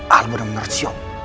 al udah menersiup